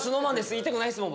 言いたくないっすもん僕。